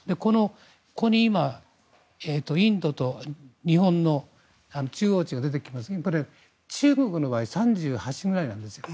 ここに今、インドと日本の中央値が出ていますが中国の場合３８ぐらいなんです。